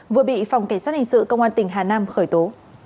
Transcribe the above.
vừa bị phòng cảnh sát hình sự công an tỉnh hà nam khởi tố